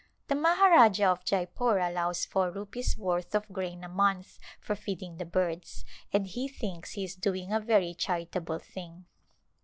The Maharajah of Jeypore allows four rupees* worth of grain a month for feeding the birds and he thinks he is doing a very charitable thing.